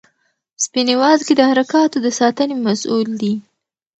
سپینې وازګې د حرکاتو د ساتنې مسؤل دي.